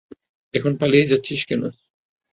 এখন পালিয়ে যাচ্ছিস কেন?